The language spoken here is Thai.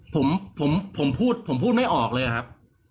ผมผมพูดผมพูดไม่ออกเลยครับ